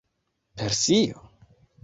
Persio?